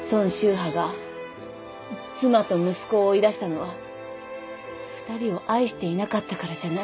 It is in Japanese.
波が妻と息子を追い出したのは２人を愛していなかったからじゃない。